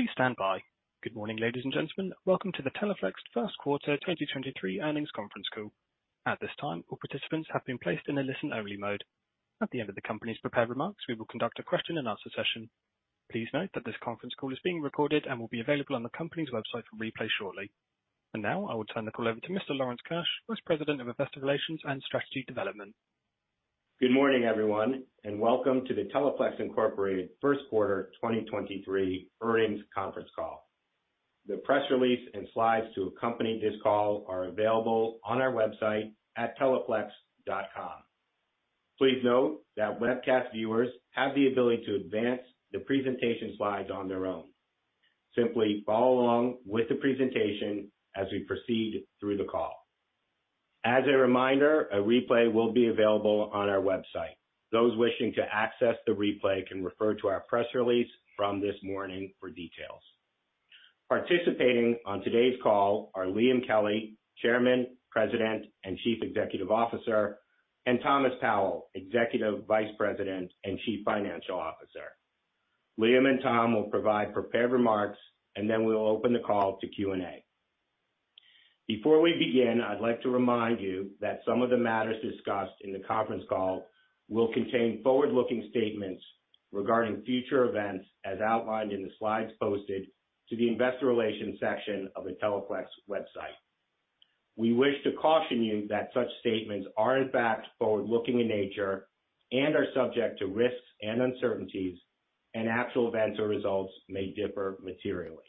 Please stand by. Good morning, ladies and gentlemen. Welcome to the Teleflex First Quarter 2023 Earnings Conference Call. At this time, all participants have been placed in a listen-only mode. At the end of the company's prepared remarks, we will conduct a question-and-answer session. Please note that this conference call is being recorded and will be available on the company's website for replay shortly. Now I will turn the call over to Mr. Lawrence Keusch, Vice President of Investor Relations and Strategy Development. Good morning, everyone, and welcome to the Teleflex Incorporated First Quarter 2023 Earnings Conference Call. The press release and slides to accompany this call are available on our website at teleflex.com. Please note that webcast viewers have the ability to advance the presentation slides on their own. Simply follow along with the presentation as we proceed through the call. As a reminder, a replay will be available on our website. Those wishing to access the replay can refer to our press release from this morning for details. Participating on today's call are Liam Kelly, Chairman, President, and Chief Executive Officer, and Thomas Powell, Executive Vice President and Chief Financial Officer. Liam and Tom will provide prepared remarks, and then we'll open the call to Q&A. Before we begin, I'd like to remind you that some of the matters discussed in the conference call will contain forward-looking statements regarding future events as outlined in the slides posted to the investor relations section of the Teleflex website. We wish to caution you that such statements are in fact forward-looking in nature and are subject to risks and uncertainties, and actual events or results may differ materially.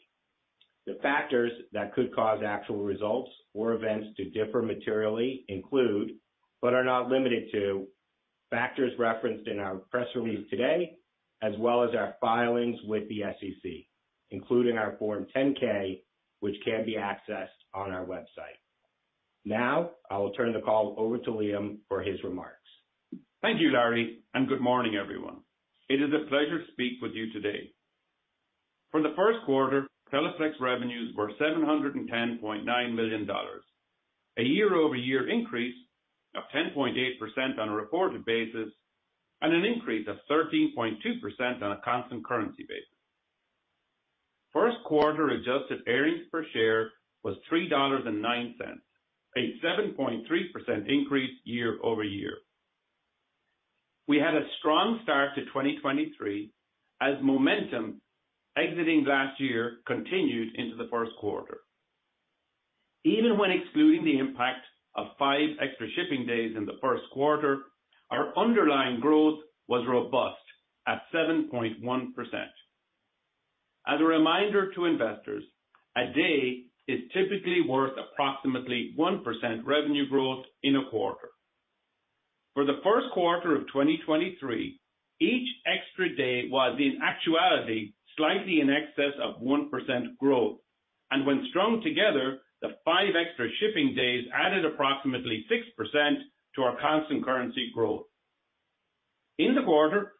The factors that could cause actual results or events to differ materially include, but are not limited to, factors referenced in our press release today, as well as our filings with the SEC, including our Form 10-K, which can be accessed on our website. I will turn the call over to Liam for his remarks. Thank you, Larry. Good morning, everyone. It is a pleasure to speak with you today. For the first quarter, Teleflex revenues were $710.9 million, a year-over-year increase of 10.8% on a reported basis and an increase of 13.2% on a constant currency basis. First quarter adjusted earnings per share was $3.09, a 7.3% increase year-over-year. We had a strong start to 2023 as momentum exiting last year continued into the first quarter. Even when excluding the impact of five extra shipping days in the first quarter, our underlying growth was robust at 7.1%. As a reminder to investors, a day is typically worth approximately 1% revenue growth in a quarter. For the first quarter of 2023, each extra day was in actuality slightly in excess of 1% growth. When strung together, the five extra shipping days added approximately 6% to our constant currency growth. In the quarter,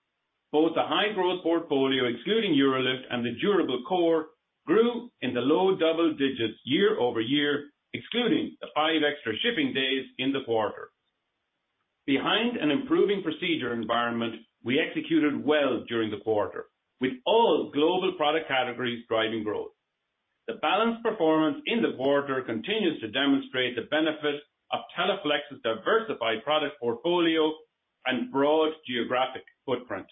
both the high growth portfolio, excluding UroLift, and the durable core grew in the low double digits year-over-year, excluding the five extra shipping days in the quarter. Behind an improving procedure environment, we executed well during the quarter with all global product categories driving growth. The balanced performance in the quarter continues to demonstrate the benefit of Teleflex's diversified product portfolio and broad geographic footprint.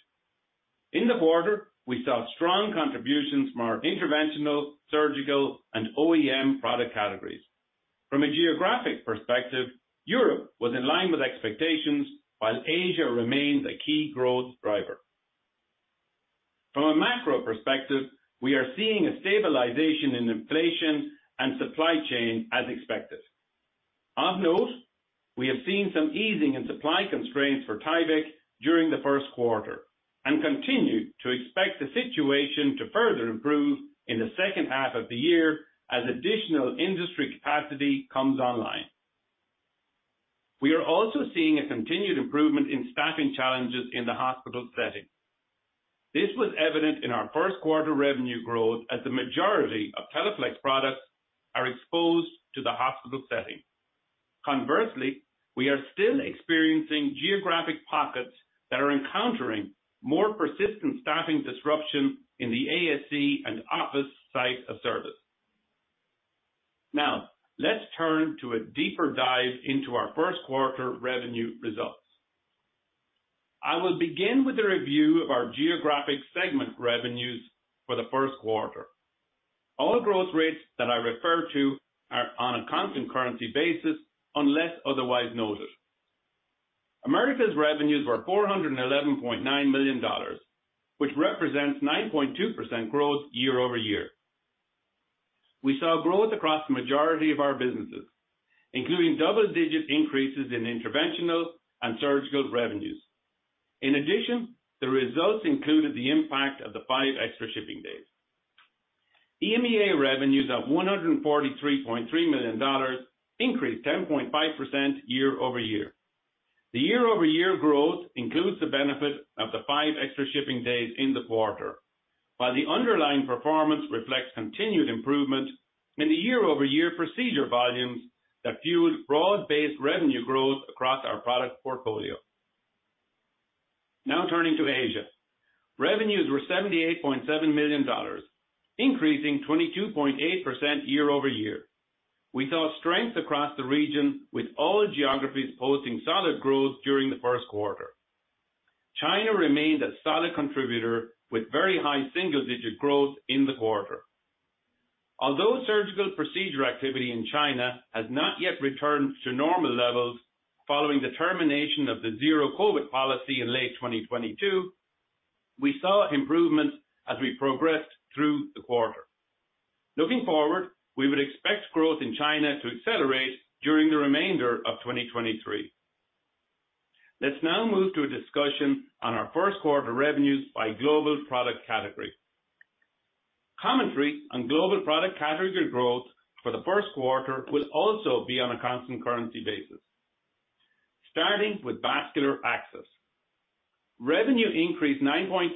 In the quarter, we saw strong contributions from our interventional, surgical, and OEM product categories. From a geographic perspective, Europe was in line with expectations, while Asia remained a key growth driver. From a macro perspective, we are seeing a stabilization in inflation and supply chain as expected. Of note, we have seen some easing in supply constraints for Tyvek during the first quarter and continue to expect the situation to further improve in the second half of the year as additional industry capacity comes online. We are also seeing a continued improvement in staffing challenges in the hospital setting. This was evident in our first quarter revenue growth as the majority of Teleflex products are exposed to the hospital setting. Conversely, we are still experiencing geographic pockets that are encountering more persistent staffing disruption in the ASC and office site of service. Let's turn to a deeper dive into our first quarter revenue results. I will begin with a review of our geographic segment revenues for the first quarter. All growth rates that I refer to are on a constant currency basis, unless otherwise noted. Americas revenues were $411.9 million, which represents 9.2% growth year-over-year. We saw growth across the majority of our businesses, including double-digit increases in interventional and surgical revenues. In addition, the results included the impact of the five extra shipping days. EMEA revenues of $143.3 million increased 10.5% year-over-year. The year-over-year growth includes the benefit of the five extra shipping days in the quarter, while the underlying performance reflects continued improvement in the year-over-year procedure volumes that fueled broad-based revenue growth across our product portfolio. Turning to Asia. Revenues were $78.7 million, increasing 22.8% year-over-year. We saw strength across the region with all geographies posting solid growth during the first quarter. China remained a solid contributor with very high single-digit growth in the quarter. Although surgical procedure activity in China has not yet returned to normal levels following the termination of the zero-COVID policy in late 2022, we saw improvements as we progressed through the quarter. Looking forward, we would expect growth in China to accelerate during the remainder of 2023. Let's now move to a discussion on our first quarter revenues by global product category. Commentary on global product category growth for the first quarter will also be on a constant currency basis. Starting with vascular access. Revenue increased 9.2%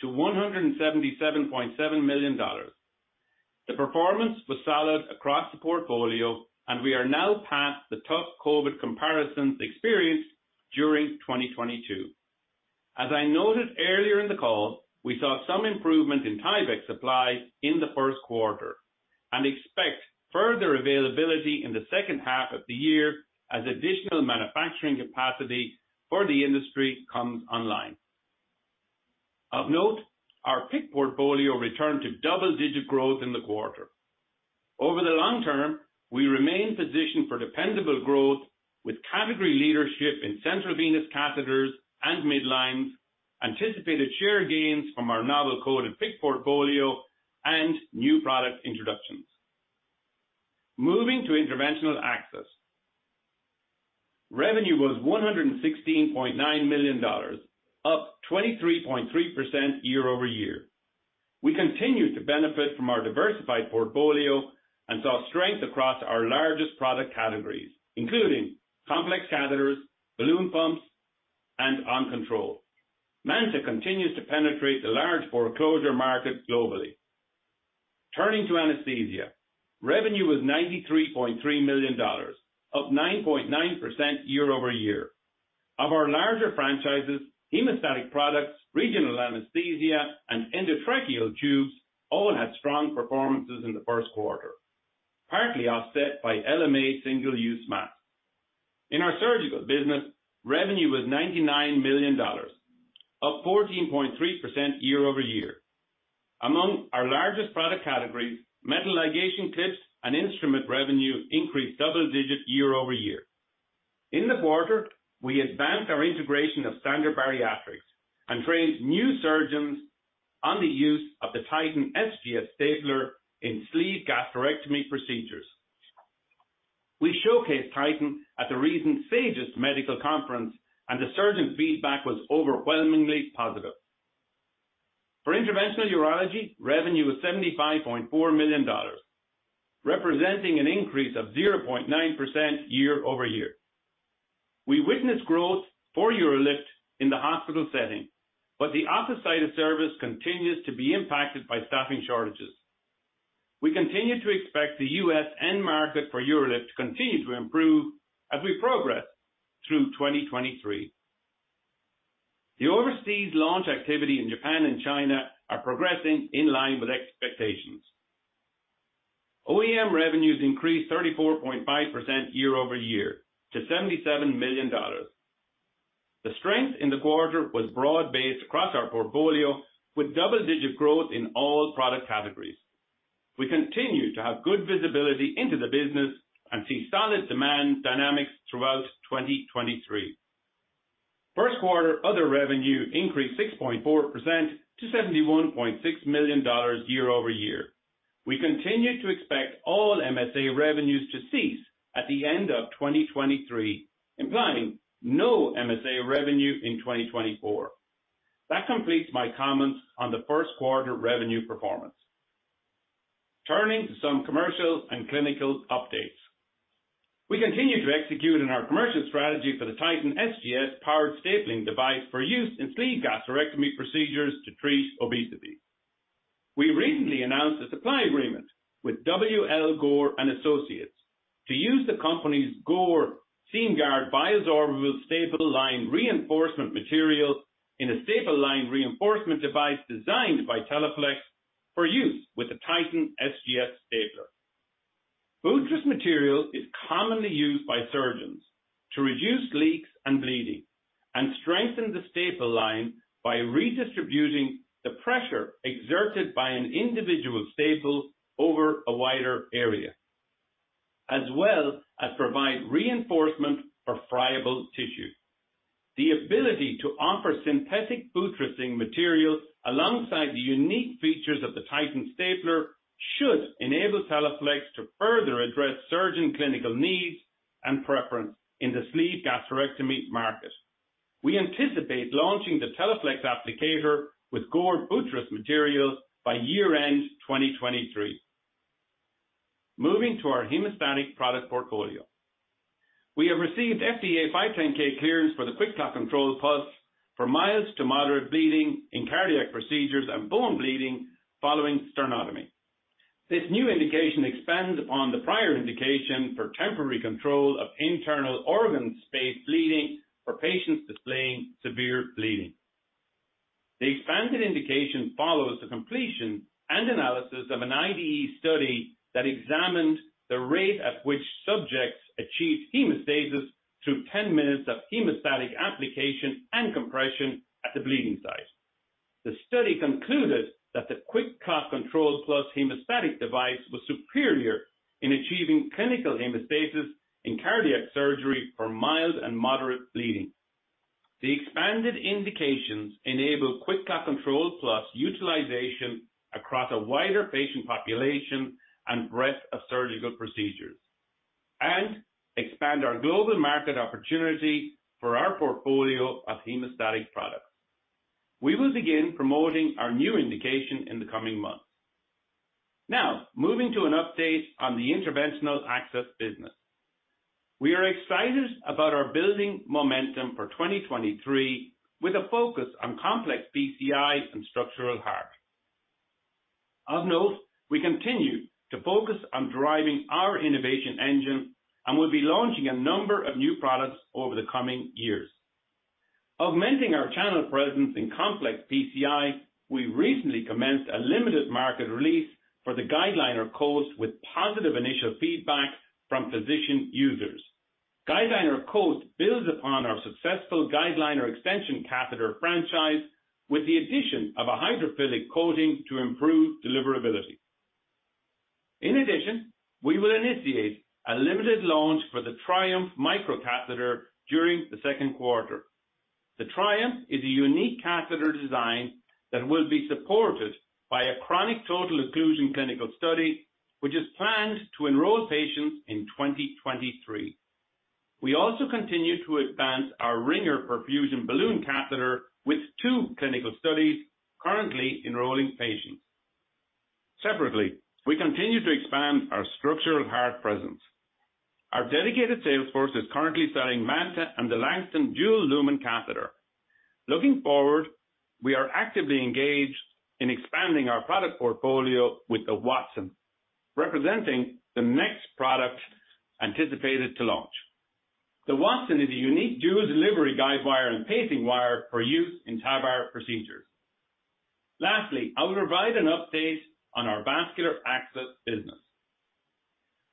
to $177.7 million. The performance was solid across the portfolio and we are now past the tough COVID comparisons experienced during 2022. As I noted earlier in the call, we saw some improvement in Tyvek supplies in the first quarter and expect further availability in the second half of the year as additional manufacturing capacity for the industry comes online. Of note, our PICC portfolio returned to double-digit growth in the quarter. Over the long term, we remain positioned for dependable growth with category leadership in central venous catheters and midlines, anticipated share gains from our novel coded PICC portfolio and new product introductions. Moving to interventional access. Revenue was $116.9 million, up 23.3% year-over-year. We continued to benefit from our diversified portfolio and saw strength across our largest product categories, including complex catheters, balloon pumps, and OnControl. MANTA continues to penetrate the large-bore closure market globally. Turning to anesthesia. Revenue was $93.3 million, up 9.9% year-over-year. Of our larger franchises, hemostatic products, regional anesthesia, and endotracheal tubes all had strong performances in the first quarter, partly offset by LMA single-use masks. In our surgical business, revenue was $99 million, up 14.3% year-over-year. Among our largest product categories, metal ligation clips and instrument revenue increased double digits year-over-year. In the quarter, we advanced our integration of Standard Bariatrics and trained new surgeons on the use of the Titan SGS stapler in sleeve gastrectomy procedures. We showcased Titan at the recent The surgeon feedback was overwhelmingly positive. For interventional urology, revenue was $75.4 million, representing an increase of 0.9% year-over-year. We witnessed growth for UroLift in the hospital setting, the office site of service continues to be impacted by staffing shortages. We continue to expect the U.S. end market for UroLift to continue to improve as we progress through 2023. The overseas launch activity in Japan and China are progressing in line with expectations. OEM revenues increased 34.5% year-over-year to $77 million. The strength in the quarter was broad-based across our portfolio with double-digit growth in all product categories. We continue to have good visibility into the business and see solid demand dynamics throughout 2023. First quarter other revenue increased 6.4% to $71.6 million year-over-year. We continue to expect all MSA revenues to cease at the end of 2023, implying no MSA revenue in 2024. That completes my comments on the first quarter revenue performance. Turning to some commercial and clinical updates. We continue to execute on our commercial strategy for the Titan SGS powered stapling device for use in sleeve gastrectomy procedures to treat obesity. We recently announced a supply agreement with W. L. Gore & Associates to use the company's GORE SEAMGUARD Bioabsorbable Staple Line reinforcement material in a staple line reinforcement device designed by Teleflex for use with the Titan SGS Stapler. Buttress material is commonly used by surgeons to reduce leaks and bleeding and strengthen the staple line by redistributing the pressure exerted by an individual staple over a wider area, as well as provide reinforcement for friable tissue. The ability to offer synthetic buttressing material alongside the unique features of the Titan stapler should enable Teleflex to further address surgeon clinical needs and preference in the sleeve gastrectomy market. We anticipate launching the Teleflex applicator with GORE buttress material by year-end 2023. Moving to our hemostatic product portfolio. We have received FDA 510(k) clearance for the QuikClot Control+ for mild to moderate bleeding in cardiac procedures and bone bleeding following sternotomy. This new indication expands upon the prior indication for temporary control of internal organ space bleeding for patients displaying severe bleeding. The expanded indication follows the completion and analysis of an IDE study that examined the rate at which subjects achieved hemostasis through 10 minutes of hemostatic application and compression at the bleeding site. The study concluded that the QuikClot Control+ hemostatic device was superior in achieving clinical hemostasis in cardiac surgery for mild and moderate bleeding. The expanded indications enable QuikClot Control+ utilization across a wider patient population and breadth of surgical procedures and expand our global market opportunity for our portfolio of hemostatic products. We will begin promoting our new indication in the coming months. Now, moving to an update on the interventional access business. We are excited about our building momentum for 2023 with a focus on complex PCI and structural heart. Of note, we continue to focus on driving our innovation engine and will be launching a number of new products over the coming years. Augmenting our channel presence in complex PCI, we recently commenced a limited market release for the GuideLiner Coast with positive initial feedback from physician users. GuideLiner Coast builds upon our successful GuideLiner extension catheter franchise with the addition of a hydrophilic coating to improve deliverability. In addition, we will initiate a limited launch for the Triumph microcatheter during the second quarter. The Triumph is a unique catheter design that will be supported by a chronic total occlusion clinical study, which is planned to enroll patients in 2023. We also continue to advance our Wringer perfusion balloon catheter with two clinical studies currently enrolling patients. Separately, we continue to expand our structural heart presence. Our dedicated sales force is currently selling MANTA and the Langston dual lumen catheter. Looking forward, we are actively engaged in expanding our product portfolio with the Watson, representing the next product anticipated to launch. The Watson is a unique dual delivery guide wire and pacing wire for use in TAVR procedures. Lastly, I will provide an update on our vascular access business.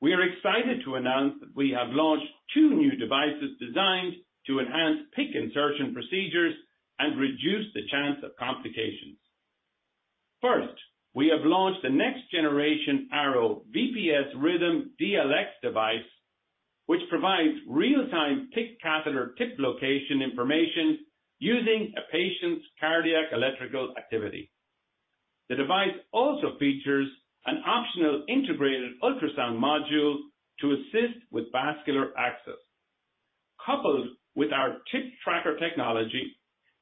We are excited to announce that we have launched two new devices designed to enhance PIC insertion procedures and reduce the chance of complications. First, we have launched the next generation Arrow VPS Rhythm DLX device, which provides real-time PICC catheter tip location information using a patient's cardiac electrical activity. The device also features an optional integrated ultrasound module to assist with vascular access. Coupled with our TipTracker technology,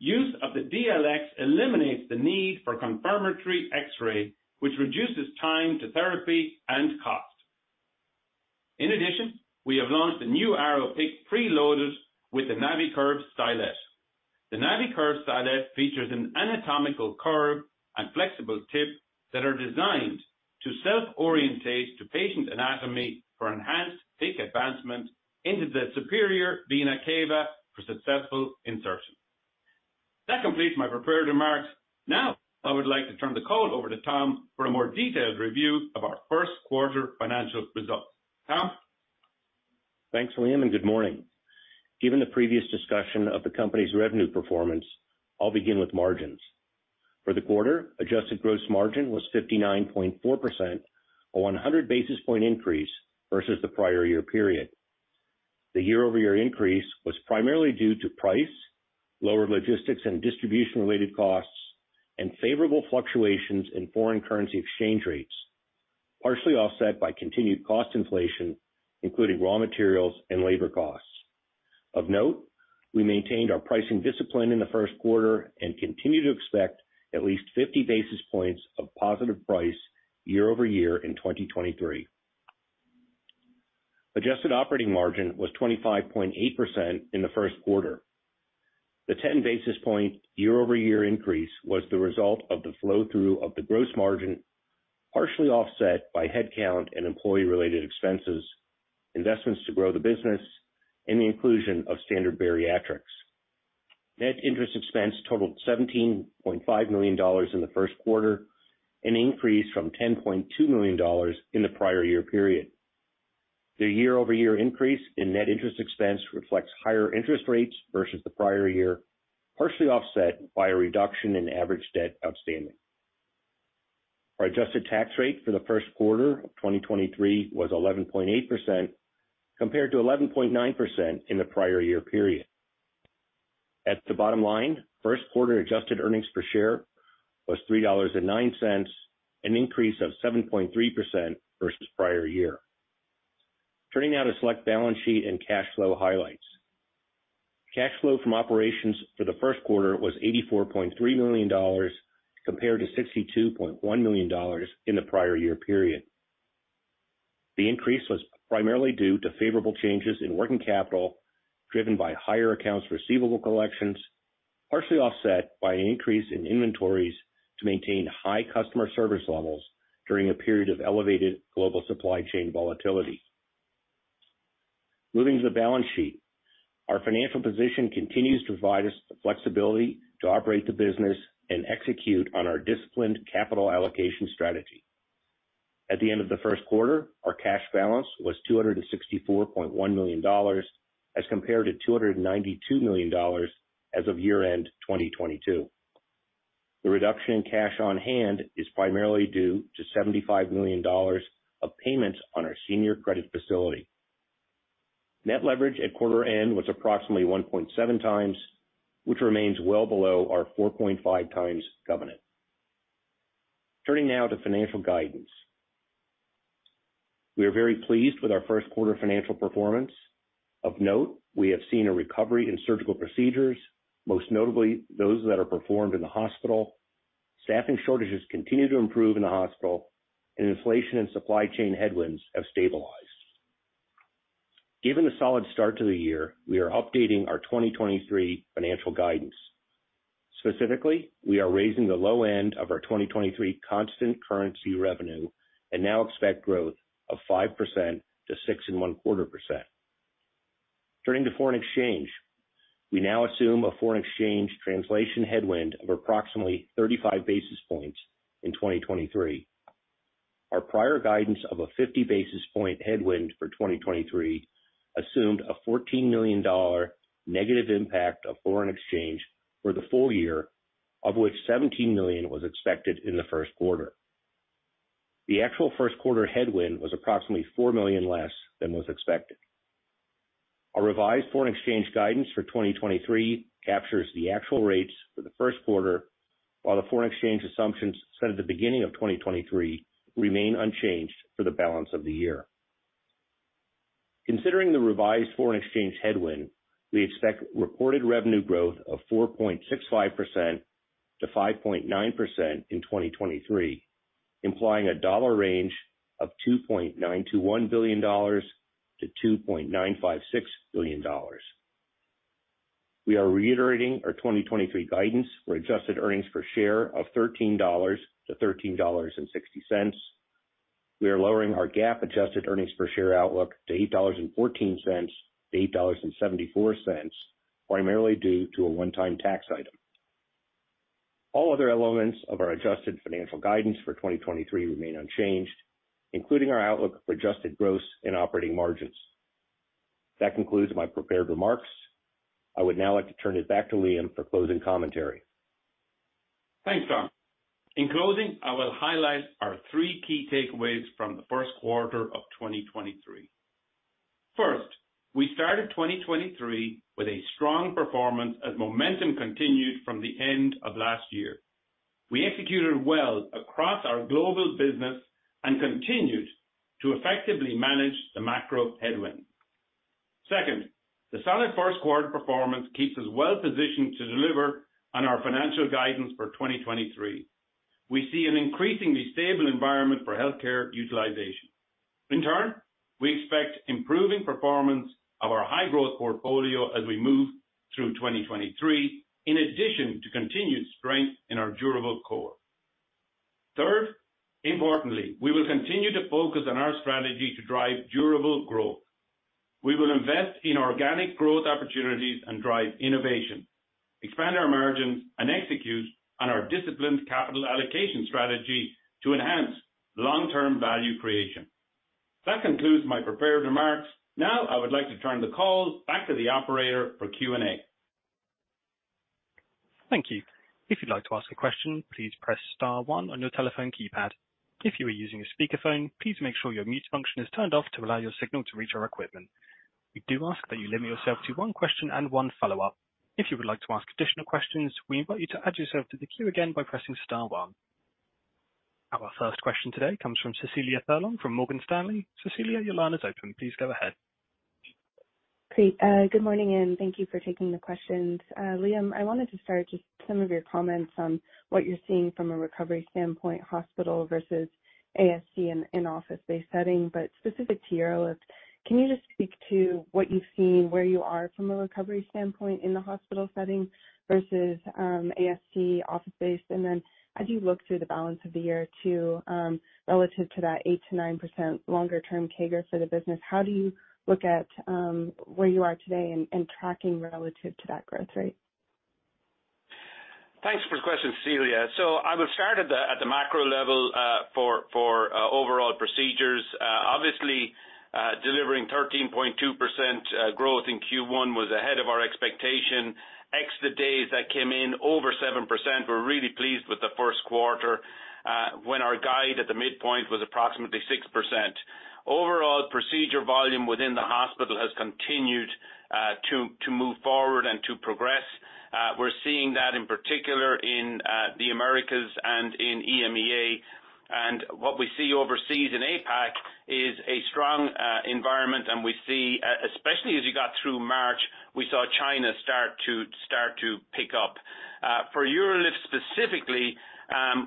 use of the DLX eliminates the need for confirmatory X-ray, which reduces time to therapy and cost. In addition, we have launched the new Arrow PICC preloaded with the NaviCurve Stylet. The NaviCurve Stylet features an anatomical curve and flexible tip that are designed to self-orientate to patient anatomy for enhanced PICC advancement into the superior vena cava for successful insertion. That completes my prepared remarks. I would like to turn the call over to Tom for a more detailed review of our first quarter financial results. Tom? Thanks, William. Good morning. Given the previous discussion of the company's revenue performance, I'll begin with margins. For the quarter, adjusted gross margin was 59.4%, a 100 basis point increase versus the prior year period. The year-over-year increase was primarily due to price, lower logistics and distribution-related costs, and favorable fluctuations in foreign currency exchange rates, partially offset by continued cost inflation, including raw materials and labor costs. Of note, we maintained our pricing discipline in the first quarter and continue to expect at least 50 basis points of positive price year-over-year in 2023. Adjusted operating margin was 25.8% in the first quarter. The 10 basis point year-over-year increase was the result of the flow-through of the gross margin, partially offset by headcount and employee-related expenses, investments to grow the business, and the inclusion of Standard Bariatrics. Net interest expense totaled $17.5 million in the first quarter, an increase from $10.2 million in the prior year period. The year-over-year increase in net interest expense reflects higher interest rates versus the prior year, partially offset by a reduction in average debt outstanding. Our adjusted tax rate for the first quarter of 2023 was 11.8% compared to 11.9% in the prior year period. At the bottom line, first quarter adjusted earnings per share was $3.09, an increase of 7.3% versus prior year. Turning now to select balance sheet and cash flow highlights. Cash flow from operations for the first quarter was $84.3 million compared to $62.1 million in the prior year period. The increase was primarily due to favorable changes in working capital, driven by higher accounts receivable collections, partially offset by an increase in inventories to maintain high customer service levels during a period of elevated global supply chain volatility. Moving to the balance sheet. Our financial position continues to provide us the flexibility to operate the business and execute on our disciplined capital allocation strategy. At the end of the first quarter, our cash balance was $264.1 million as compared to $292 million as of year-end 2022. The reduction in cash on hand is primarily due to $75 million of payments on our senior credit facility. Net leverage at quarter end was approximately 1.7x, which remains well below our 4.5x covenant. Turning now to financial guidance. We are very pleased with our first quarter financial performance. Of note, we have seen a recovery in surgical procedures, most notably those that are performed in the hospital. Staffing shortages continue to improve in the hospital. Inflation and supply chain headwinds have stabilized. Given the solid start to the year, we are updating our 2023 financial guidance. Specifically, we are raising the low end of our 2023 constant currency revenue and now expect growth of 5% to 6.25%. Turning to foreign exchange. We now assume a foreign exchange translation headwind of approximately 35 basis points in 2023. Our prior guidance of a 50 basis point headwind for 2023 assumed a $14 million negative impact of foreign exchange for the full year, of which $17 million was expected in the first quarter. The actual first quarter headwind was approximately $4 million less than was expected. Our revised foreign exchange guidance for 2023 captures the actual rates for the first quarter, while the foreign exchange assumptions set at the beginning of 2023 remain unchanged for the balance of the year. Considering the revised foreign exchange headwind, we expect reported revenue growth of 4.65% to 5.9% in 2023, implying a dollar range of $2.921 billion-$2.956 billion. We are reiterating our 2023 guidance for adjusted earnings per share of $13.00-$13.60. We are lowering our GAAP adjusted earnings per share outlook to $8.14-$8.74, primarily due to a one-time tax item. All other elements of our adjusted financial guidance for 2023 remain unchanged, including our outlook for adjusted gross and operating margins. That concludes my prepared remarks. I would now like to turn it back to Liam for closing commentary. Thanks, Tom. In closing, I will highlight our three key takeaways from the first quarter of 2023. First, we started 2023 with a strong performance as momentum continued from the end of last year. We executed well across our global business and continued to effectively manage the macro headwind. Second, the solid first quarter performance keeps us well positioned to deliver on our financial guidance for 2023. We see an increasingly stable environment for healthcare utilization. In turn, we expect improving performance of our high-growth portfolio as we move through 2023, in addition to continued strength in our durable core. Third, importantly, we will continue to focus on our strategy to drive durable growth. We will invest in organic growth opportunities and drive innovation, expand our margins and execute on our disciplined capital allocation strategy to enhance long-term value creation. That concludes my prepared remarks. Now I would like to turn the call back to the operator for Q&A. Thank you. If you'd like to ask a question, please press star one on your telephone keypad. If you are using a speakerphone, please make sure your mute function is turned off to allow your signal to reach our equipment. We do ask that you limit yourself to one question and one follow-up. If you would like to ask additional questions, we invite you to add yourself to the queue again by pressing star one. Our first question today comes from Cecilia Furlong from Morgan Stanley. Cecilia, your line is open. Please go ahead. Great. Good morning, and thank you for taking the questions. Liam, I wanted to start just some of your comments on what you're seeing from a recovery standpoint, hospital versus ASC and in office-based setting. Specific to your list, can you just speak to what you've seen, where you are from a recovery standpoint in the hospital setting versus, ASC office-based? As you look through the balance of the year too, relative to that 8%-9% longer-term CAGR for the business, how do you look at, where you are today and tracking relative to that growth rate? Thanks for the question, Cecilia. I will start at the macro level for overall procedures. Obviously, delivering 13.2% growth in Q1 was ahead of our expectation. Ex the days that came in over 7%, we're really pleased with the first quarter, when our guide at the midpoint was approximately 6%. Overall procedure volume within the hospital has continued to move forward and to progress. We're seeing that in particular in the Americas and in EMEA. What we see overseas in APAC is a strong environment, and we see, especially as you got through March, we saw China start to pick up. For UroLift specifically,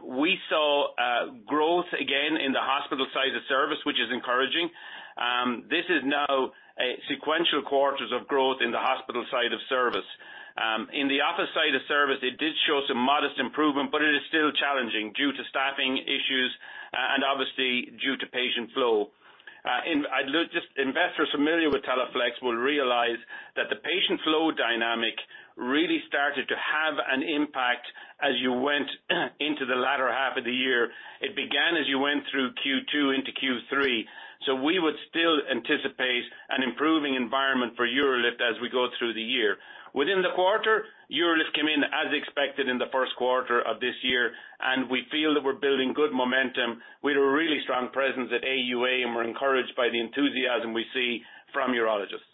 we saw growth again in the hospital side of service, which is encouraging. This is now a sequential quarters of growth in the hospital side of service. In the office side of service, it did show some modest improvement, but it is still challenging due to staffing issues and obviously due to patient flow. Just investors familiar with Teleflex will realize that the patient flow dynamic really started to have an impact as you went into the latter half of the year. It began as you went through Q2 into Q3. We would still anticipate an improving environment for UroLift as we go through the year. Within the quarter, UroLift came in as expected in the first quarter of this year, and we feel that we're building good momentum. We had a really strong presence at AUA, and we're encouraged by the enthusiasm we see from urologists.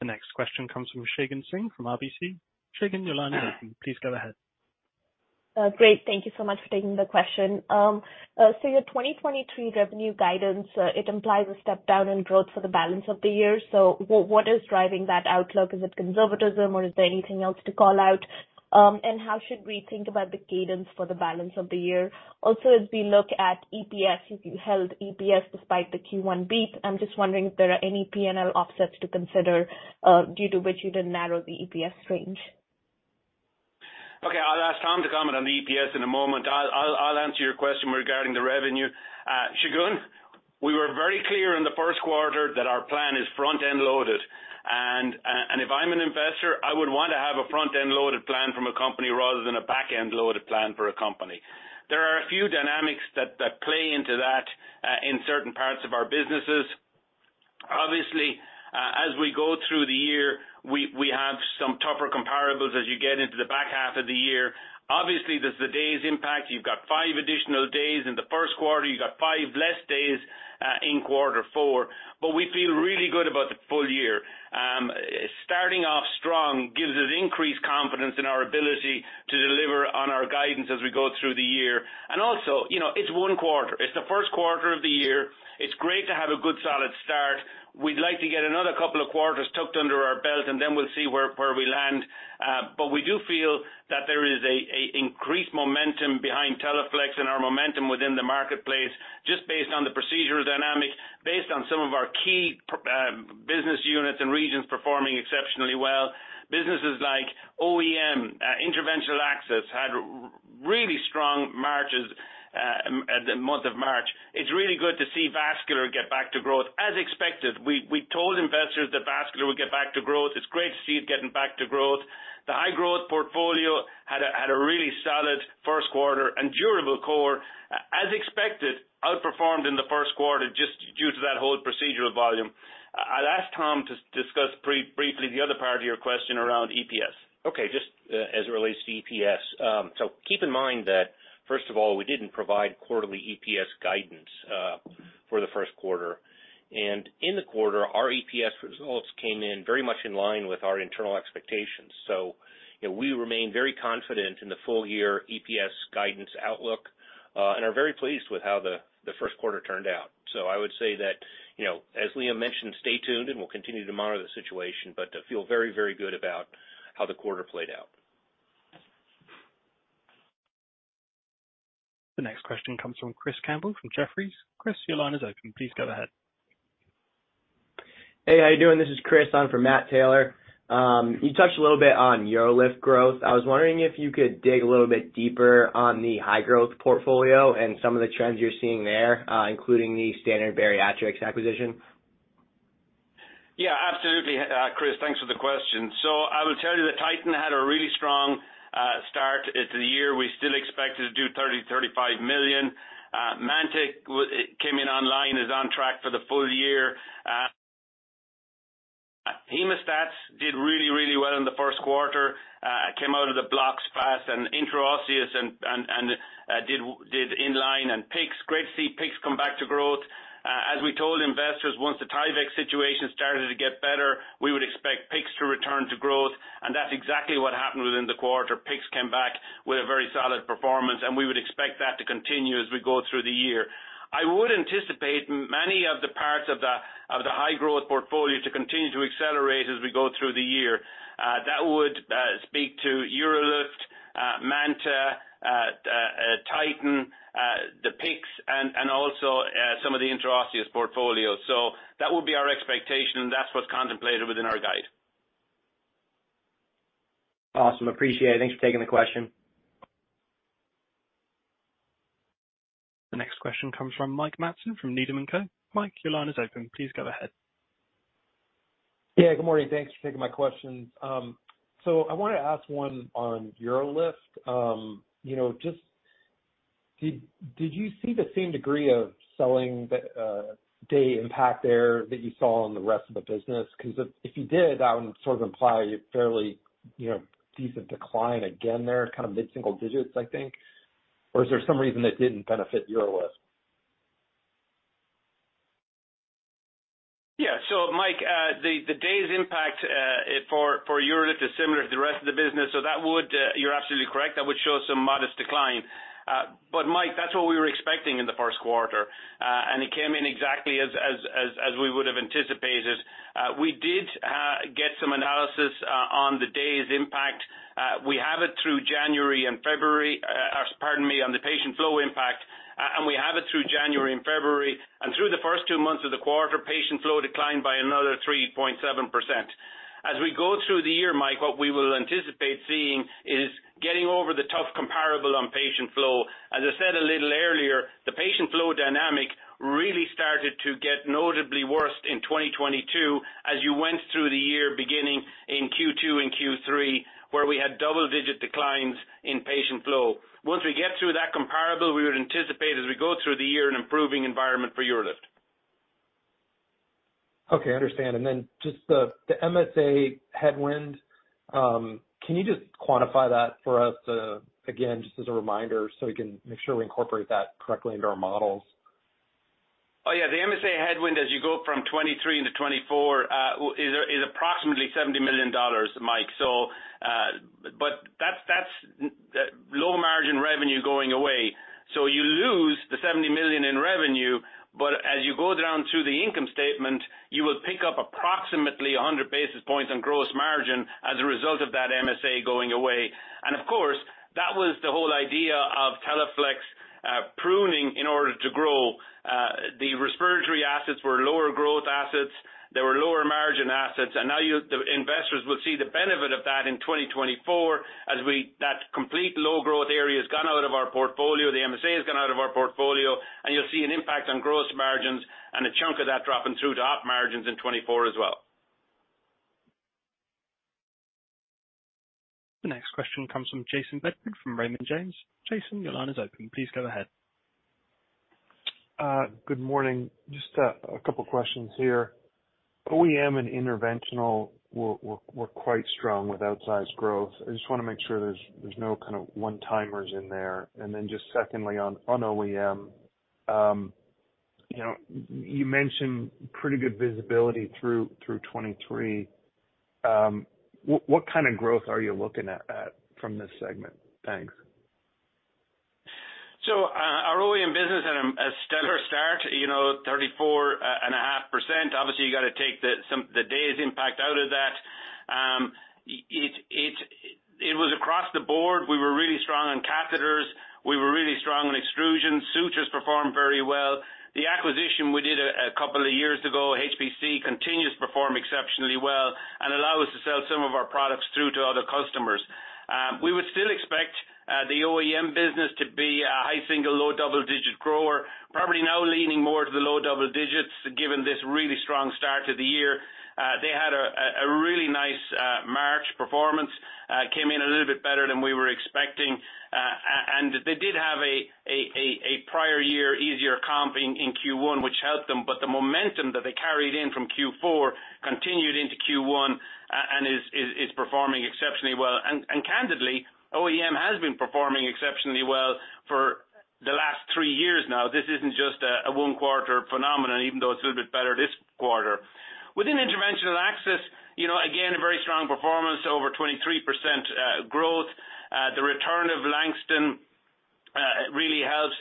The next question comes from Shagun Singh from RBC. Shagun, your line is open. Please go ahead. Great. Thank you so much for taking the question. Your 2023 revenue guidance, it implies a step down in growth for the balance of the year. What is driving that outlook? Is it conservatism, or is there anything else to call out? How should we think about the cadence for the balance of the year? Also, as we look at EPS, you've held EPS despite the Q1 beat. I'm just wondering if there are any P&L offsets to consider, due to which you didn't narrow the EPS range. Okay, I'll ask Tom to comment on the EPS in a moment. I'll answer your question regarding the revenue. Shagun, we were very clear in the first quarter that our plan is front-end loaded. If I'm an investor, I would want to have a front-end loaded plan from a company rather than a back-end loaded plan for a company. There are a few dynamics that play into that in certain parts of our businesses. Obviously, as we go through the year, we have some tougher comparables as you get into the back half of the year. Obviously, there's the days impact. You've got 5 additional days in the first quarter. You got five less days in quarter four. We feel really good about the full year. Starting off strong gives us increased confidence in our ability to deliver on our guidance as we go through the year. Also, you know, it's one quarter. It's the first quarter of the year. It's great to have a good solid start. We'd like to get another couple of quarters tucked under our belt, and then we'll see where we land. We do feel that there is a increased momentum behind Teleflex and our momentum within the marketplace just based on the procedural dynamic, based on some of our key business units and regions performing exceptionally well. Businesses like OEM, Interventional Access had really strong marches at the month of March. It's really good to see Vascular get back to growth as expected. We told investors that Vascular would get back to growth. It's great to see it getting back to growth. The high-growth portfolio had a really solid first quarter, and Durable Core, as expected, outperformed in the first quarter just due to that whole procedural volume. I'll ask Tom to discuss pre-briefly the other part of your question around EPS. Okay, just as it relates to EPS. Keep in mind that first of all, we didn't provide quarterly EPS guidance for the first quarter. In the quarter, our EPS results came in very much in line with our internal expectations. You know, we remain very confident in the full-year EPS guidance outlook and are very pleased with how the first quarter turned out. I would say that, you know, as Liam mentioned, stay tuned, and we'll continue to monitor the situation, but feel very, very good about how the quarter played out. The next question comes from Kris Campbell from Jefferies.Kris, your line is open. Please go ahead. Hey, how you doing? This is Kris on for Matthew Taylor. You touched a little bit on UroLift growth. I was wondering if you could dig a little bit deeper on the high-growth portfolio and some of the trends you're seeing there, including the Standard Bariatrics acquisition? Yeah, absolutely, Kris, thanks for the question. I will tell you that Titan had a really strong start to the year. We still expect it to do $30 million-$35 million. MANTA came in online, is on track for the full year. Hemostat did really well in the first quarter, came out of the blocks fast. Intraosseous did inline and PICC. Great to see PICC come back to growth. As we told investors, once the Tyvek situation started to get better, we would expect PICC to return to growth. That's exactly what happened within the quarter. PICC came back with a very solid performance, and we would expect that to continue as we go through the year. I would anticipate many of the parts of the, of the high growth portfolio to continue to accelerate as we go through the year. That would speak to UroLift, MANTA, Titan, the PICCs, and also some of the Intraosseous portfolio. That would be our expectation, and that's what's contemplated within our guide. Awesome. Appreciate it. Thanks for taking the question. The next question comes from Mike Matson from Needham & Company. Mike, your line is open. Please go ahead. Yeah, good morning. Thanks for taking my questions. I want to ask one on UroLift. You know, just did you see the same degree of selling the day impact there that you saw on the rest of the business? Because if you did, that would sort of imply a fairly, you know, decent decline again there, kind of mid-single digits, I think. Or is there some reason that didn't benefit UroLift? Mike, the day's impact for UroLift is similar to the rest of the business, so that would, you're absolutely correct, that would show some modest decline. Mike, that's what we were expecting in the first quarter, and it came in exactly as we would've anticipated. We did get some analysis on the day's impact. Pardon me, on the patient flow impact, and we have it through January and February. Through the first two months of the quarter, patient flow declined by another 3.7%. As we go through the year, Mike, what we will anticipate seeing is getting over the tough comparable on patient flow. As I said a little earlier, the patient flow dynamic really started to get notably worse in 2022 as you went through the year beginning in Q2 and Q3, where we had double-digit declines in patient flow. Once we get through that comparable, we would anticipate as we go through the year an improving environment for UroLift. Okay, understand. Just the MSA headwind, can you just quantify that for us again, just as a reminder, so we can make sure we incorporate that correctly into our models? Yeah. The MSA headwind as you go from 2023 into 2024 is approximately $70 million, Mike. But that's low margin revenue going away. You lose the $70 million in revenue, but as you go down through the income statement, you will pick up approximately 100 basis points on gross margin as a result of that MSA going away. Of course, that was the whole idea of Teleflex pruning in order to grow. The respiratory assets were lower growth assets. They were lower margin assets. Now the investors will see the benefit of that in 2024 as that complete low growth area has gone out of our portfolio, the MSA has gone out of our portfolio, and you'll see an impact on gross margins and a chunk of that dropping through to op margins in 2024 as well. The next question comes from Jayson Bedford from Raymond James. Jason, your line is open. Please go ahead. Good morning. Just a couple questions here. OEM and interventional were quite strong with outsized growth. I just wanna make sure there's no kind of one-timers in there. Just secondly on OEM, you know, you mentioned pretty good visibility through 2023. What kind of growth are you looking at from this segment? Thanks. Our OEM business had a stellar start, you know, 34.5%. Obviously, you gotta take the day's impact out of that. It was across the board. We were really strong on catheters. We were really strong on extrusion. Sutures performed very well. The acquisition we did a couple of years ago, HPC, continues to perform exceptionally well and allow us to sell some of our products through to other customers. We would still expect the OEM business to be a high single-, low double-digit grower, probably now leaning more to the low double digits given this really strong start to the year. They had a really nice March performance, came in a little bit better than we were expecting. They did have a prior year easier comp in Q1, which helped them. The momentum that they carried in from Q4 continued into Q1 and is performing exceptionally well. Candidly, OEM has been performing exceptionally well for the last three years now. This isn't just a one-quarter phenomenon, even though it's a little bit better this quarter. Within interventional access, you know, again, a very strong performance, over 23% growth. The return of Langston really helped.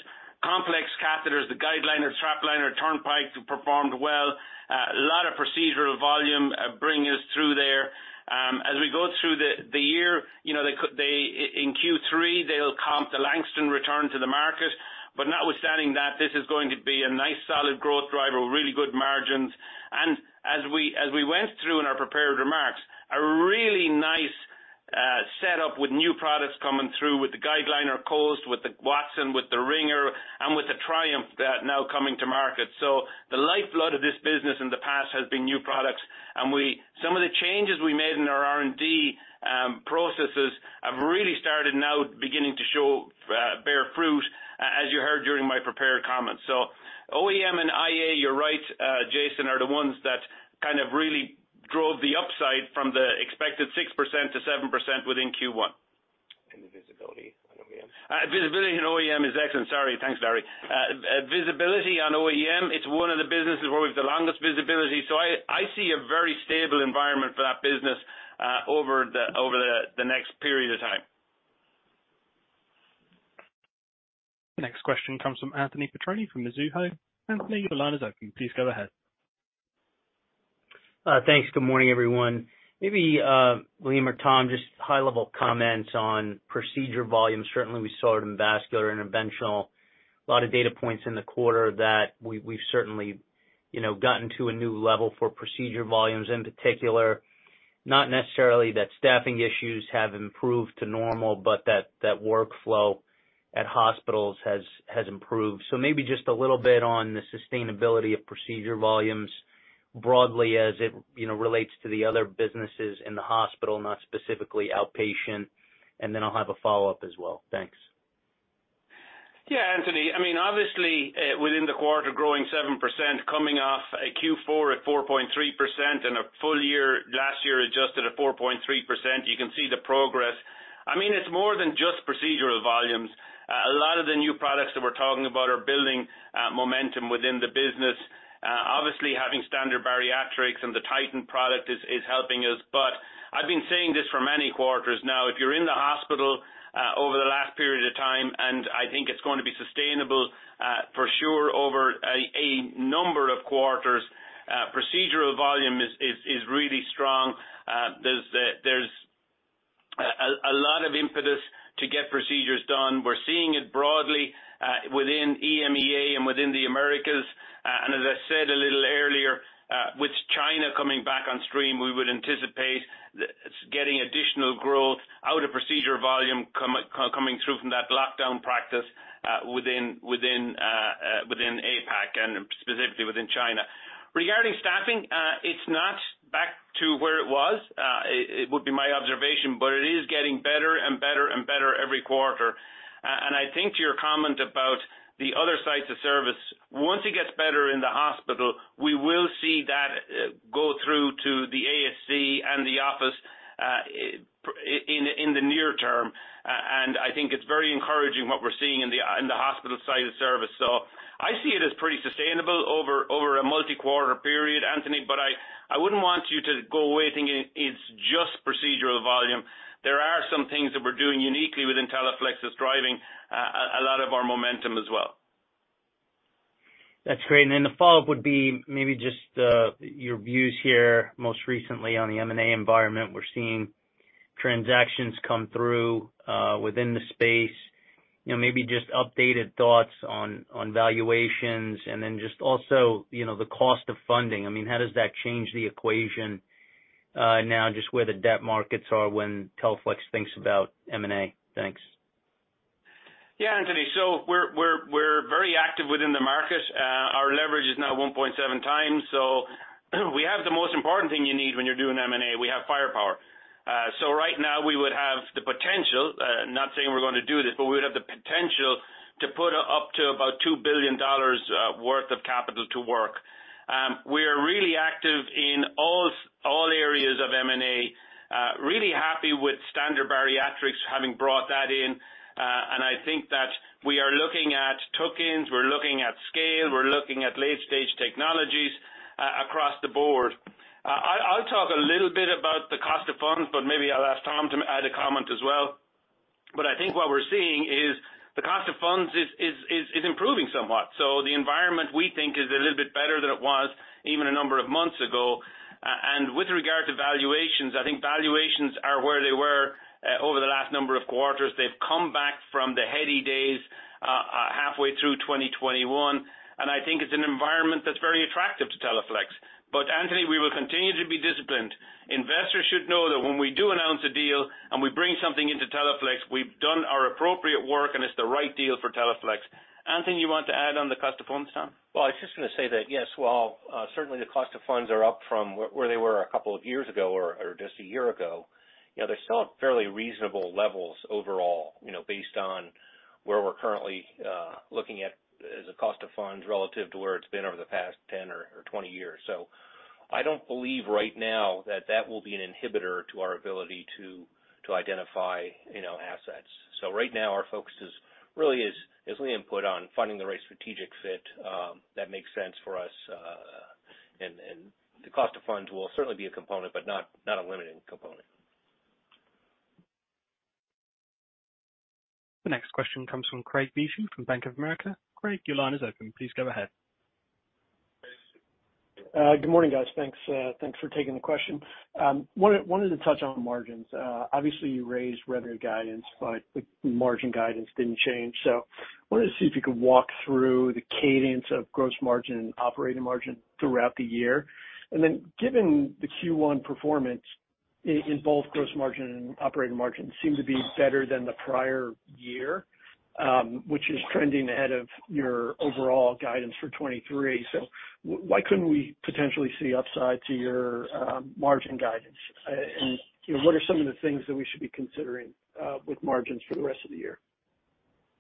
Complex catheters, the GuideLiner, TrapLiner, Turnpike performed well. A lot of procedural volume bringing us through there. As we go through the year, you know, in Q3, they'll comp the Langston return to the market. Notwithstanding that, this is going to be a nice, solid growth driver with really good margins. As we went through in our prepared remarks, a really nice setup with new products coming through with the GuideLiner Coast, with the Watson, with the Wringer, and with the Triumph that now coming to market. The lifeblood of this business in the past has been new products. Some of the changes we made in our R&D processes have really started now beginning to show bear fruit, as you heard during my prepared comments. OEM and IA, you're right, Jayson, are the ones that kind of really drove the upside from the expected 6%-7% within Q1. The visibility on OEM. Visibility on OEM is excellent. Sorry. Thanks, Larry. Visibility on OEM, it's one of the businesses where we have the longest visibility. I see a very stable environment for that business over the next period of time. Next question comes from Anthony Petrone from Mizuho. Anthony, your line is open. Please go ahead. Thanks. Good morning, everyone. Maybe Liam or Tom, just high-level comments on procedure volume. Certainly, we saw it in vascular interventional. A lot of data points in the quarter that we've certainly, you know, gotten to a new level for procedure volumes. In particular, not necessarily that staffing issues have improved to normal, but that workflow at hospitals has improved. Maybe just a little bit on the sustainability of procedure volumes broadly as it, you know, relates to the other businesses in the hospital, not specifically outpatient, and then I'll have a follow-up as well. Thanks. Yeah, Anthony. I mean, obviously, within the quarter growing 7%, coming off a Q4 at 4.3% and a full year last year adjusted at 4.3%, you can see the progress. I mean, it's more than just procedural volumes. A lot of the new products that we're talking about are building momentum within the business. obviously having Standard Bariatrics and the Titan product is helping us. I've been saying this for many quarters now, if you're in the hospital, over the last period of time, and I think it's going to be sustainable for sure over a number of quarters, procedural volume is really strong. There's a lot of impetus to get procedures done. We're seeing it broadly within EMEA and within the Americas. As I said a little earlier, with China coming back on stream, we would anticipate getting additional growth out of procedure volume coming through from that lockdown practice, within APAC and specifically within China. Regarding staffing, it's not back to where it was, it would be my observation, but it is getting better and better and better every quarter. I think to your comment about the other sites of service, once it gets better in the hospital, we will see that, go through to the ASC and the office, in the near term. I think it's very encouraging what we're seeing in the, in the hospital side of service. I see it as pretty sustainable over a multi-quarter period, Anthony, but I wouldn't want you to go away thinking it's just procedural volume. There are some things that we're doing uniquely within Teleflex that's driving a lot of our momentum as well. That's great. The follow-up would be maybe just your views here most recently on the M&A environment. We're seeing transactions come through within the space. You know, maybe just updated thoughts on valuations just also, you know, the cost of funding. I mean, how does that change the equation now just where the debt markets are when Teleflex thinks about M&A? Thanks. Yeah, Anthony. We're very active within the market. Our leverage is now 1.7x. We have the most important thing you need when you're doing M&A, we have firepower. Right now we would have the potential, not saying we're gonna do this, but we would have the potential to put up to about $2 billion worth of capital to work. We are really active in all areas of M&A, really happy with Standard Bariatrics having brought that in. I think that we are looking at tokens, we're looking at scale, we're looking at late-stage technologies across the board. I'll talk a little bit about the cost of funds, but maybe I'll ask Tom to add a comment as well. I think what we're seeing is the cost of funds is improving somewhat. The environment we think is a little bit better than it was even a number of months ago. And with regard to valuations, I think valuations are where they were over the last number of quarters. They've come back from the heady days halfway through 2021, and I think it's an environment that's very attractive to Teleflex. Anthony, we will continue to be disciplined. Investors should know that when we do announce a deal and we bring something into Teleflex, we've done our appropriate work, and it's the right deal for Teleflex. Anthony, you want to add on the cost of funds, Tom? Well, I was just gonna say that, yes, while, certainly the cost of funds are up from where they were two years ago or one year ago, you know, they're still at fairly reasonable levels overall, you know, based on where we're currently looking at as a cost of funds relative to where it's been over the past 10 or 20 years. I don't believe right now that that will be an inhibitor to our ability to identify, you know, assets. Right now our focus is, really is Liam put on finding the right strategic fit, that makes sense for us, and the cost of funds will certainly be a component, but not a limiting component. The next question comes from Craig Bijou from Bank of America. Craig, your line is open. Please go ahead. Good morning, guys. Thanks, thanks for taking the question. Wanted to touch on margins. Obviously you raised revenue guidance, but the margin guidance didn't change. Wanted to see if you could walk through the cadence of gross margin and operating margin throughout the year. Then given the Q1 performance in both gross margin and operating margin seemed to be better than the prior year, which is trending ahead of your overall guidance for 2023. Why couldn't we potentially see upside to your margin guidance? You know, what are some of the things that we should be considering with margins for the rest of the year?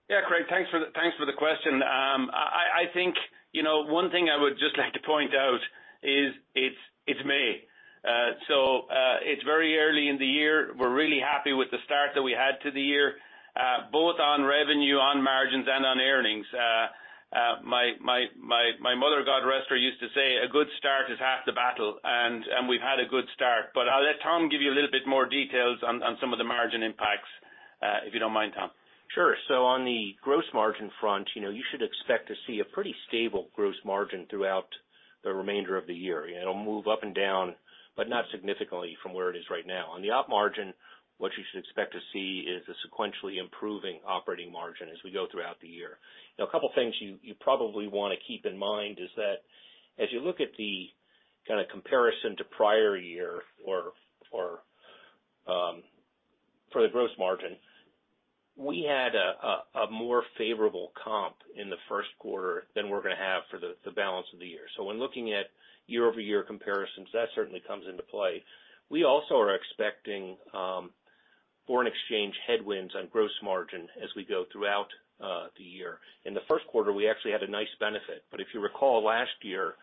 Yeah, Craig. Thanks for the question. I think, you know, one thing I would just like to point out is it's May. It's very early in the year. We're really happy with the start that we had to the year, both on revenue, on margins, and on earnings. My mother, God rest her, used to say, "A good start is half the battle," and we've had a good start. I'll let Tom give you a little bit more details on some of the margin impacts, if you don't mind, Tom. Sure. On the gross margin front, you know, you should expect to see a pretty stable gross margin throughout the remainder of the year. It'll move up and down, but not significantly from where it is right now. On the op margin, what you should expect to see is a sequentially improving operating margin as we go throughout the year. A couple of things you probably wanna keep in mind is that as you look at the kinda comparison to prior year or, for the gross margin, we had a more favorable comp in the first quarter than we're gonna have for the balance of the year. When looking at year-over-year comparisons, that certainly comes into play. We also are expecting foreign exchange headwinds on gross margin as we go throughout. Year. In the first quarter, we actually had a nice benefit. If you recall last year,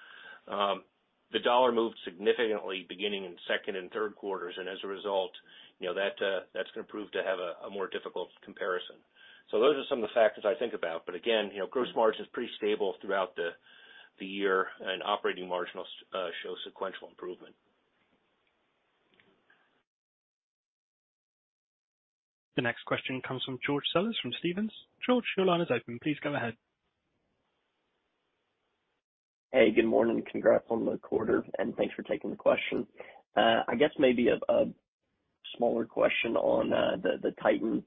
the dollar moved significantly beginning in second and third quarters, and as a result, you know, that's gonna prove to have a more difficult comparison. Those are some of the factors I think about, but again, you know, gross margin is pretty stable throughout the year, and operating margin will show sequential improvement. The next question comes from George Sousoulas from Stephens. George, your line is open. Please go ahead. Hey, good morning. Congrats on the quarter, and thanks for taking the question. I guess maybe a smaller question on the Titan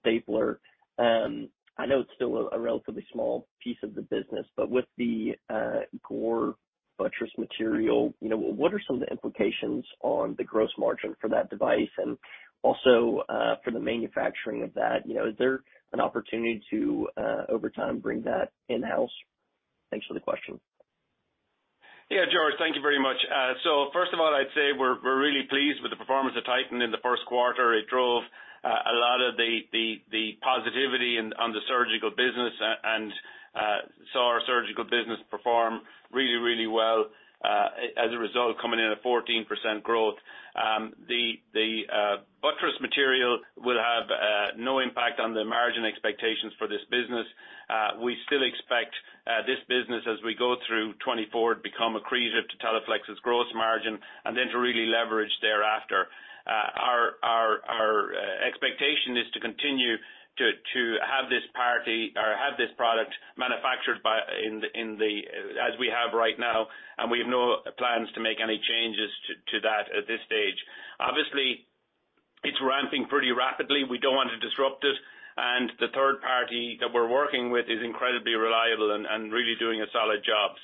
stapler. I know it's still a relatively small piece of the business, but with the Gore buttress material, you know, what are some of the implications on the gross margin for that device? Also, for the manufacturing of that, you know, is there an opportunity to over time, bring that in-house? Thanks for the question. Yeah, George, thank you very much. First of all, I'd say we're really pleased with the performance of Titan in the first quarter. It drove a lot of the positivity on the surgical business and saw our surgical business perform really, really well as a result, coming in at 14% growth. The buttress material will have no impact on the margin expectations for this business. We still expect this business as we go through 2024 to become accretive to Teleflex's gross margin and then to really leverage thereafter. Our expectation is to continue to have this party or have this product manufactured in the as we have right now, and we have no plans to make any changes to that at this stage. Obviously, it's ramping pretty rapidly. We don't want to disrupt it, and the third party that we're working with is incredibly reliable and really doing a solid job.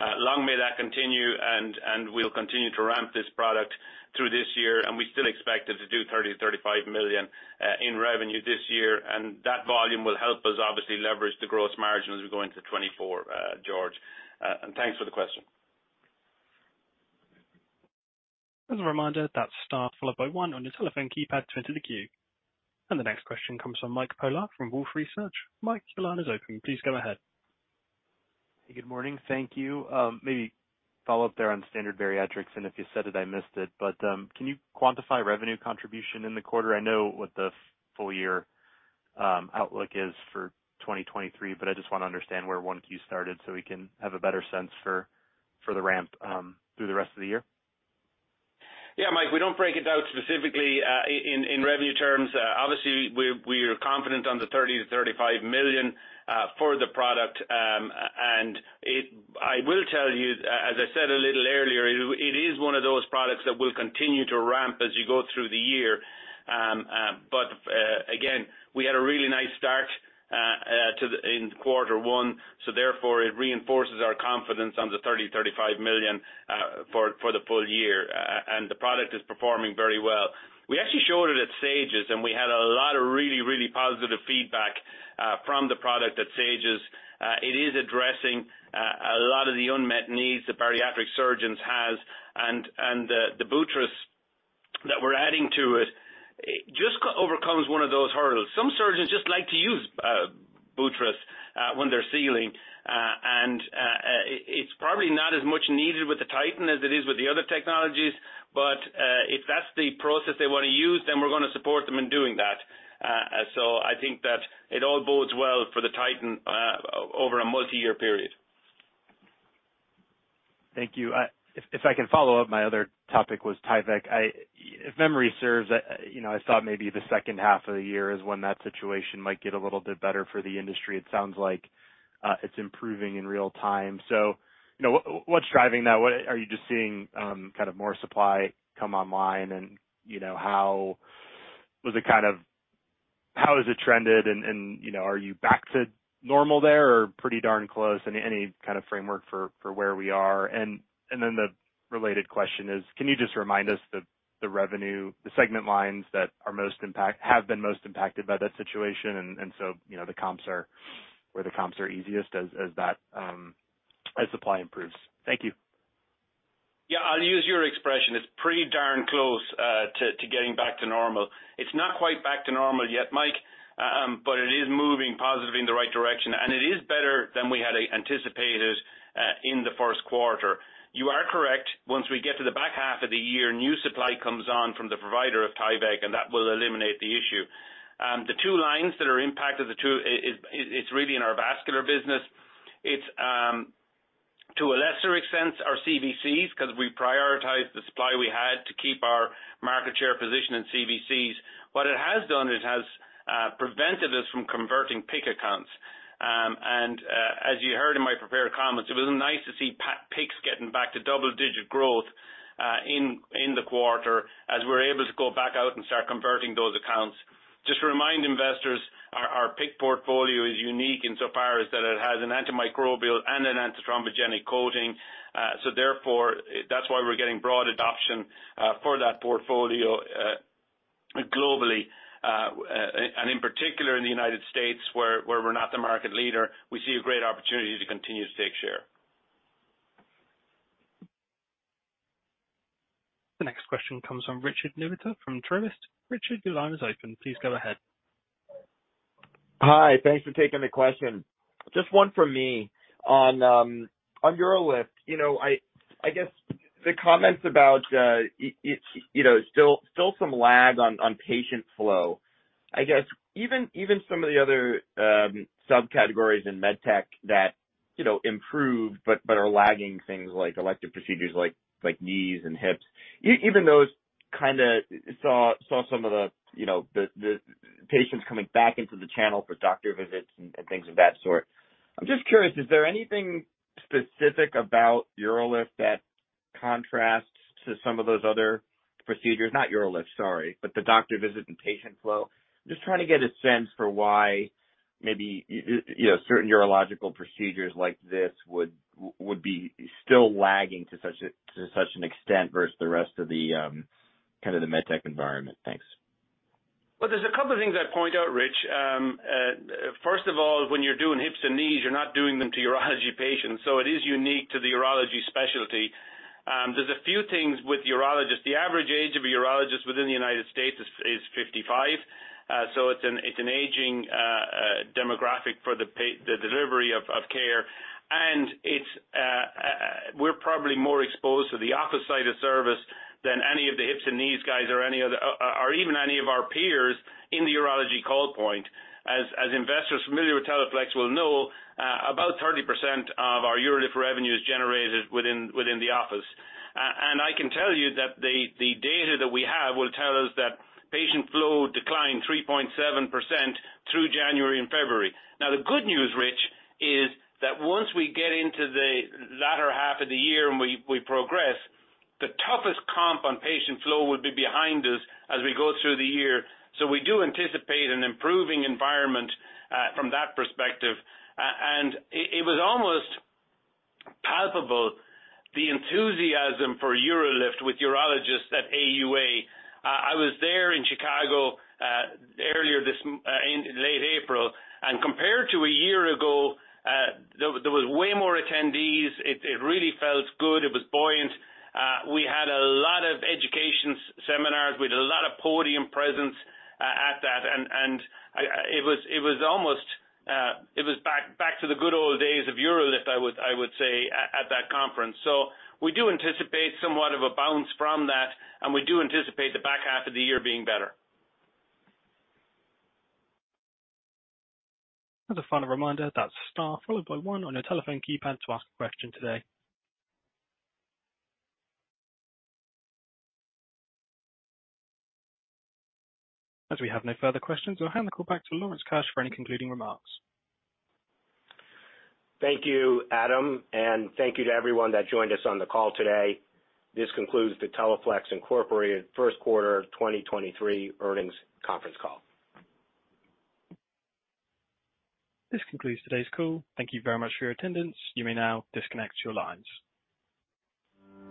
Long may that continue and we'll continue to ramp this product through this year, and we still expect it to do $30 million-$35 million in revenue this year. That volume will help us obviously leverage the gross margin as we go into 2024, George. Thanks for the question. As a reminder, that's star followed by one on your telephone keypad to enter the queue. The next question comes from Mike Polark from Wolfe Research. Mike, your line is open. Please go ahead. Hey, good morning. Thank you. Maybe follow up there on Standard Bariatrics, and if you said it, I missed it. Can you quantify revenue contribution in the quarter? I know what the full year outlook is for 2023, but I just wanna understand where 1Q started so we can have a better sense for the ramp through the rest of the year. Yeah, Mike, we don't break it out specifically, in revenue terms. Obviously we are confident on the $30 million-$35 million for the product. I will tell you, as I said a little earlier, it is one of those products that will continue to ramp as you go through the year. Again, we had a really nice start in Q1, therefore it reinforces our confidence on the $30 million-$35 million for the full year. The product is performing very well. We actually showed it at SAGES, we had a lot of really positive feedback from the product at SAGES. It is addressing a lot of the unmet needs the bariatric surgeons has and the buttress that we're adding to it just overcomes one of those hurdles. Some surgeons just like to use buttress when they're sealing and it's probably not as much needed with the Titan as it is with the other technologies. If that's the process they wanna use, then we're gonna support them in doing that. I think that it all bodes well for the Titan over a multiyear period. Thank you. If I can follow up, my other topic was Tyvek. If memory serves, you know, I thought maybe the second half of the year is when that situation might get a little bit better for the industry. It sounds like it's improving in real time. you know, what's driving that? Are you just seeing kind of more supply come online and, you know, how has it trended and, you know, are you back to normal there or pretty darn close? Any kind of framework for where we are? The related question is, can you just remind us the revenue, the segment lines that have been most impacted by that situation and so, you know, the comps are easiest as that as supply improves. Thank you. Yeah. I'll use your expression. It's pretty darn close to getting back to normal. It's not quite back to normal yet, Mike, but it is moving positively in the right direction, and it is better than we had anticipated in the first quarter. You are correct. Once we get to the back half of the year, new supply comes on from the provider of Tyvek, that will eliminate the issue. The two lines that are impacted, the two, it's really in our vascular business. It's to a lesser extent, our CVCs, 'cause we prioritize the supply we had to keep our market share position in CVCs. What it has done, it has prevented us from converting PICC accounts. As you heard in my prepared comments, it was nice to see PICC getting back to double-digit growth in the quarter as we're able to go back out and start converting those accounts. Just to remind investors our PICC portfolio is unique in so far as that it has an antimicrobial and an antithrombogenic coating. Therefore, that's why we're getting broad adoption for that portfolio globally. In particular in the United States, where we're not the market leader, we see a great opportunity to continue to take share. Question comes from Richard Newitter from Truist. Richard, your line is open. Please go ahead. Hi. Thanks for taking the question. Just one from me on UroLift. You know, I guess the comments about it's, you know, still some lag on patient flow. I guess even some of the other subcategories in med tech that, you know, improved but are lagging things like elective procedures like knees and hips. Even those kinda saw some of the, you know, the patients coming back into the channel for doctor visits and things of that sort. I'm just curious, is there anything specific about UroLift that contrasts to some of those other procedures? Not UroLift, sorry, but the doctor visit and patient flow. I'm just trying to get a sense for why maybe, you know, certain urological procedures like this would be still lagging to such an extent versus the rest of the kind of the med tech environment. Thanks. Well, there's a couple things I'd point out, Rich. First of all, when you're doing hips and knees, you're not doing them to urology patients, so it is unique to the urology specialty. There's a few things with urologists. The average age of a urologist within the United States is 55. It's an aging demographic for the delivery of care. It's, we're probably more exposed to the office side of service than any of the hips and knees guys or even any of our peers in the urology call point. As investors familiar with Teleflex will know, about 30% of our UroLift revenue is generated within the office. I can tell you that the data that we have will tell us that patient flow declined 3.7% through January and February. The good news, Rich, is that once we get into the latter half of the year and we progress, the toughest comp on patient flow will be behind us as we go through the year. We do anticipate an improving environment from that perspective. It was almost palpable, the enthusiasm for UroLift with urologists at AUA. I was there in Chicago earlier this in late April, compared to a year ago, there was way more attendees. It really felt good. It was buoyant. We had a lot of education seminars. We had a lot of podium presence at that. I, it was almost, it was back to the good old days of UroLift, I would say at that conference. We do anticipate somewhat of a bounce from that, and we do anticipate the back half of the year being better. A final reminder, that's star followed by one on your telephone keypad to ask a question today. We have no further questions, I'll hand the call back to Lawrence Keusch for any concluding remarks. Thank you, Adam, and thank you to everyone that joined us on the call today. This concludes the Teleflex Incorporated First Quarter 2023 Earnings Conference Call. This concludes today's call. Thank you very much for your attendance. You may now disconnect your lines.